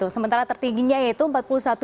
sementara tertingginya yaitu empat puluh satu